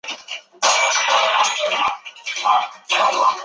有个赛道扩展方案提出使用旧奥地利赛道。